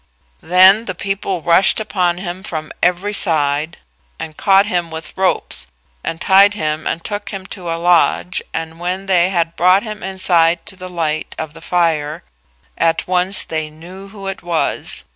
Then the people rushed upon him from every side and caught him with ropes, and tied him and took him to a lodge, and when they had brought him inside to the light of the fire, at once they knew who it was.